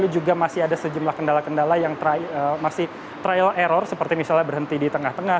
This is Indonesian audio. jadi ada sejumlah kendala kendala yang masih trial error seperti misalnya berhenti di tengah tengah